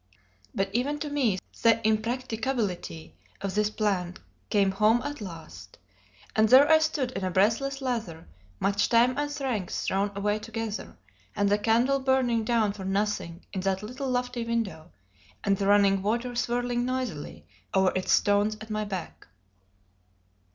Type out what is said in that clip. But even to me the impracticability of this plan came home at last. And there I stood in a breathless lather, much time and strength thrown away together; and the candle burning down for nothing in that little lofty window; and the running water swirling noisily over its stones at my back.